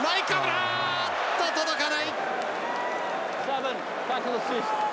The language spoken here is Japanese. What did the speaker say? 届かない。